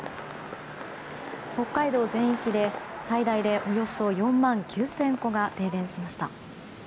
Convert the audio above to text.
北海道全域で最大でおよそ４万９０００戸が停電しました。